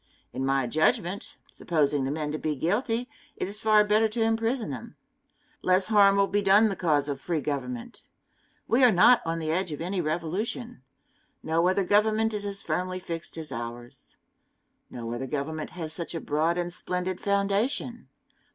In my judgment, supposing the men to be guilty, it is far better to imprison them. Less harm will be done the cause of free government. We are not on the edge of any revolution. No other government is as firmly fixed as ours. No other government has such a broad and splendid foundation.